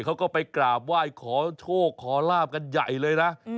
เขาก็ไปกราบไหว้ขอโชคขอลาบกันใหญ่เลยนะ